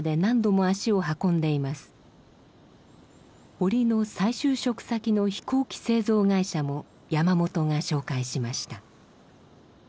堀の再就職先の飛行機製造会社も山本が紹介しました。